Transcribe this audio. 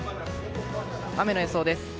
雨の予想です。